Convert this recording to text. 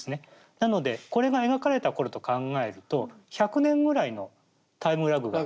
なのでこれが描かれた頃と考えると１００年ぐらいのタイムラグがあるんです。